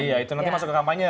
iya itu nanti masuk ke kampanye